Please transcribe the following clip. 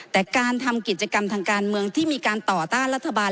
แต่การทำกิจกรรมทางการเมืองที่มีการต่อต้านรัฐบาล